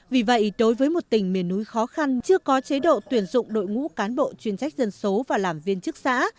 vì vậy đối với một tỉnh miền núi khó khăn chưa có chế độ tuyển dụng đội ngũ cán bộ chuyên trách dân số và làm viên chức xã